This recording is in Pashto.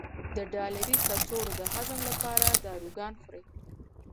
د ډالري کڅوړو د هضم لپاره داروګان خوري.